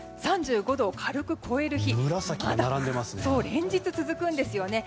３５度を軽く超える日が連日続くんですよね。